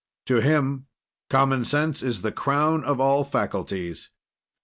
To him common sense is the crown of all faculties.